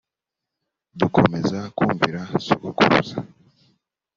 dukomeza kumvira sogokuruza